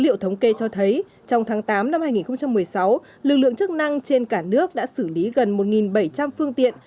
liệu thống kê cho thấy trong tháng tám năm hai nghìn một mươi sáu lực lượng chức năng trên cả nước đã xử lý gần một bảy trăm linh phương tiện